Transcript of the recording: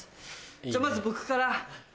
じゃあまず僕から。